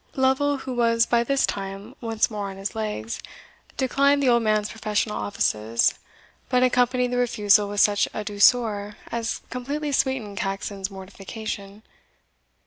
Lovel, who was by this time once more on his legs, declined the old man's professional offices, but accompanied the refusal with such a douceur as completely sweetened Caxon's mortification.